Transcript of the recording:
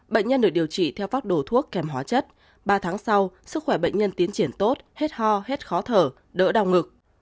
bệnh nhân được điều trị theo pháp đồ thuốc kèm hóa chất ba tháng sau sức khỏe bệnh nhân tiến triển tốt hết ho hết khó thở đỡ đau ngực